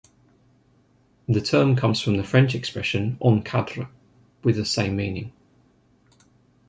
The term comes from the French expression "en cadre", with the same meaning.